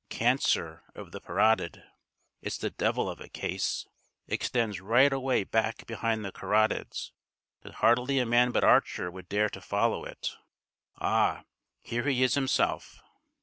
"Cancer of the parotid. It's the devil of a case; extends right away back behind the carotids. There's hardly a man but Archer would dare to follow it. Ah, here he is himself!"